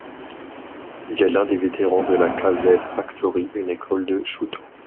Il est l'un des vétéran de la K'z Factory, une école de Shooto.